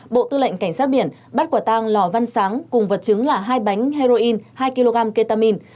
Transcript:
bộ tư lệnh cảnh sát biển bắt quả tang lò văn sáng cùng vật chứng là hai bánh heroin hai kg ketamine